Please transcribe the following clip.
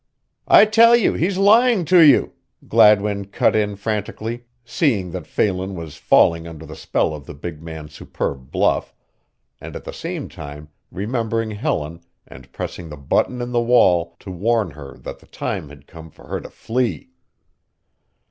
"I tell you he's lying to you," Gladwin cut in frantically, seeing that Phelan was falling under the spell of the big man's superb bluff, and at the same time remembering Helen and pressing the button in the wall to warn her that the time had come for her to flee.